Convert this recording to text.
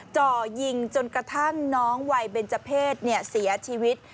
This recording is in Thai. จ่อยิงจนกระทั่งน้องวัยเบนเจอร์เพศเสียชีวิต